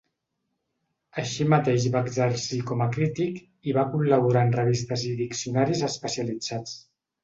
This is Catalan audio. Així mateix va exercir com a crític i va col·laborar en revistes i diccionaris especialitzats.